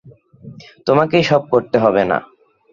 তোমাকেই সব করতে হবে না।